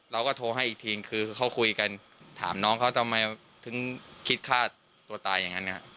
เราก็โทรให้อีกทีคือเขาคุยกันถามน้องเขาทำไมถึงคิดฆ่าตัวตายอย่างนั้นนะครับ